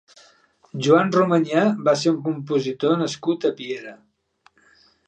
Joan Romanyà va ser un compositor nascut a Piera.